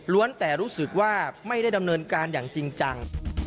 แต่รู้สึกว่าไม่ได้ดำเนินการอย่างจริงจัง